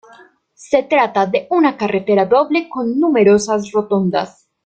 Se trata de una carretera doble con numerosas rotondas.